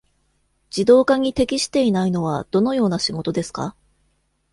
自動化に適していないのはどのような仕事ですか。